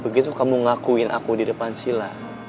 begitu kamu ngakuin aku di depan sila